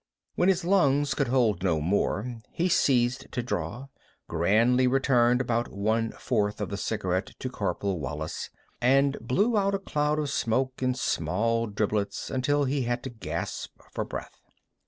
When his lungs could hold no more he ceased to draw, grandly returned about one fourth of the cigarette to Corporal Wallis, and blew out a cloud of smoke in small driblets until he had to gasp for breath.